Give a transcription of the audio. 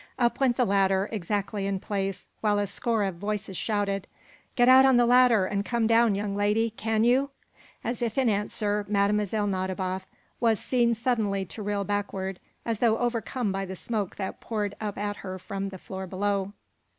Up went the ladder, exactly in place, while a score of voices shouted: "Get out on the ladder and come down, young lady! Can you?" As if in answer, Mlle. Nadiboff was seen suddenly to reel backward as though overcome by the smoke that poured up at her from the floor below.